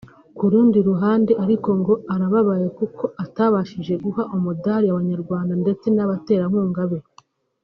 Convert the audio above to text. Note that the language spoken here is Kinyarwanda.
Ku rundi ruhande ariko ngo arababaye kuko atabashije guha umudari Abanyarwanda ndetse n’abaterankunga be